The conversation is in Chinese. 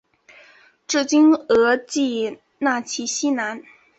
治今额济纳旗西南。